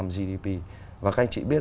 một năm gdp và các anh chị biết